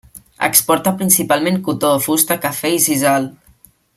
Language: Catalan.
Exporta principalment cotó, fusta, cafè i sisal.